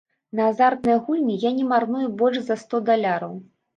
На азартныя гульні я не марную больш за сто даляраў.